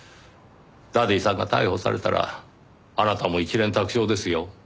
ダディさんが逮捕されたらあなたも一蓮托生ですよ。